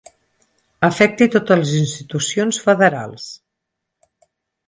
Afecta totes les institucions federals.